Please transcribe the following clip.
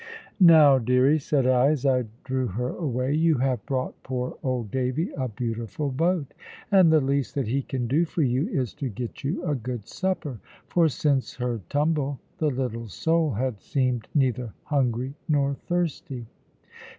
"Now, deary," said I, as I drew her away, "you have brought poor old Davy a beautiful boat, and the least that he can do for you is to get you a good supper." For since her tumble the little soul had seemed neither hungry nor thirsty.